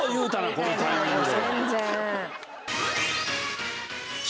このタイミングで。